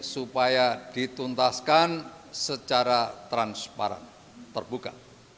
supaya dituntaskan secara transparan terbuka